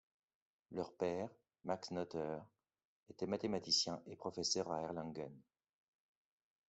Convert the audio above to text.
Leur père, Max Noether, était mathématicien et professeur à Erlangen.